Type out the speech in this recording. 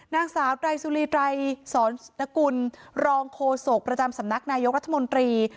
นางสาวไตรสุรีไตรสอนนกุลรองโฆษกประจำสำนักนายกรัฐมนตรี